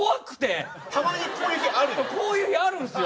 そうこういう日あるんすよ